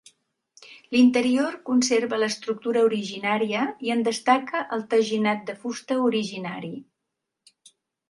L'interior conserva l'estructura originària i en destaca el teginat de fusta originari.